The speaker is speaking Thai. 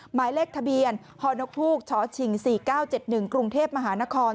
หมายเลขทะเบียนฮนกฮูกชชิง๔๙๗๑กรุงเทพมหานคร